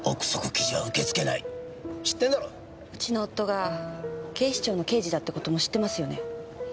うちの夫が警視庁の刑事だって事も知ってますよね？